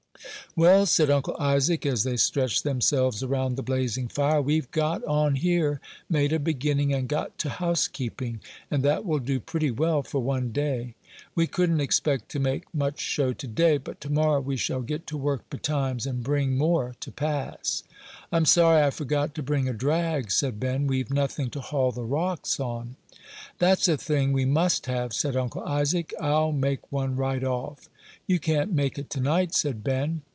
"Well," said Uncle Isaac, as they stretched themselves around the blazing fire, "we've got on here, made a beginning, and got to housekeeping; and that will do pretty well for one day. We couldn't expect to make much show to day; but to morrow we shall get to work betimes, and bring more to pass." "I'm sorry I forgot to bring a drag," said Ben; "we've nothing to haul the rocks on." "That's a thing we must have," said Uncle Isaac; "I'll make one right off." "You can't make it to night," said Ben.